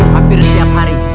hampir setiap hari